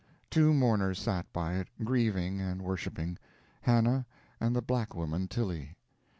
Two mourners sat by it, grieving and worshipping Hannah and the black woman Tilly.